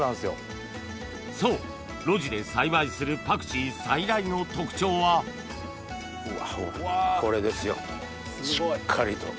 そう露地で栽培するパクチー最大の特徴はこれですよしっかりと。